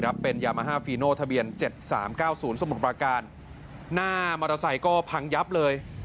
เป็นยามาฮาฟีโนทะเบียนเจ็ดสามเก้าศูนย์สมุทรประการหน้ามอเตอร์ไซค์ก็พังยับเลย